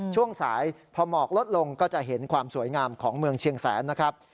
ช่วงสายพอหมอกลดลงก็จะเห็นความสวยงามของเมืองเชียงแสนนะครับ